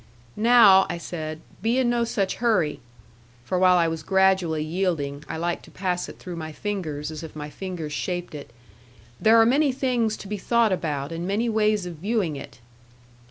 'Now,' I said, 'be in no such hurry' for while I was gradually yielding, I liked to pass it through my fingers, as if my fingers shaped it: 'there are many things to be thought about, and many ways of viewing it.'